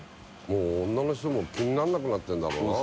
もう女の人も気にならなくなってるんだろうな。